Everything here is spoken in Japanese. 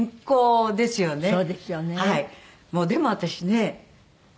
もうでも私ね